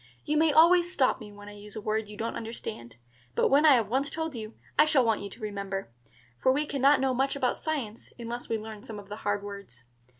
You may always stop me when I use a word you don't understand; but when I have once told you, I shall want you to remember; for we can not know much about science unless we learn some of the hard words.